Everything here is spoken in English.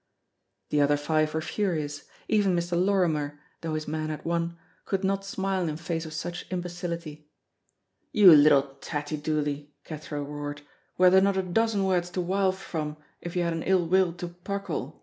The other five were furious; even Mr. Lorrimer, though his man had won, could not smile in face of such imbecility. "You little tattie doolie," Cathro roared, "were there not a dozen words to wile from if you had an ill will to puckle?